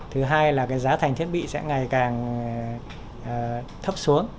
thứ hai là cái giá thành thiết bị sẽ ngày càng thấp xuống